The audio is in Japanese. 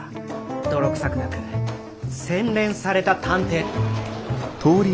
泥臭くなく洗練された探偵。